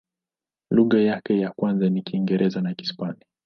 Lugha yake ya kwanza ni Kiingereza na Kihispania.